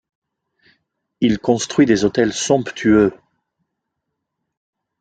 Il construit des hôtels somptueux.